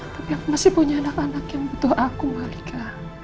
tapi aku masih punya anak anak yang butuh aku warga